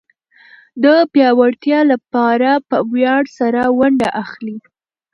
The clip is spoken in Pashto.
د پياوړتيا لپاره په وياړ سره ونډه اخلي.